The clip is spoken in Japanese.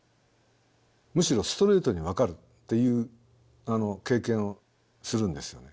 むしろストレートに分かるっていう経験をするんですよね。